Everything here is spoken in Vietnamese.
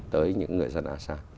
tới những người dân asean